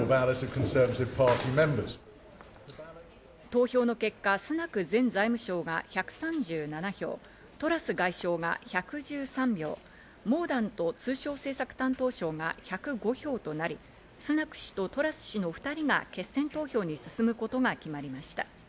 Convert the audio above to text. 投票の結果、スナク前財務相が１３７票、トラス外相が１１３票、モーダント通商政策担当相が１０５票となり、スナク氏とトラス氏の２人が決選投票に進むことが決まりました。